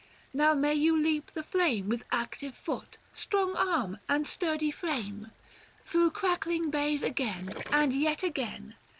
Now may you leap the flame With active foot, strong arm, and sturdy frame, — Through crackling bays again, and yet again.